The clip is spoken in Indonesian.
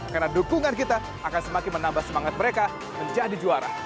karena dukungan kita akan semakin menambah semangat mereka menjadi juara